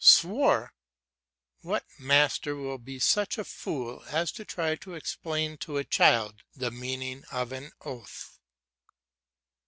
"Swore." What master will be such a fool as to try to explain to a child the meaning of an oath?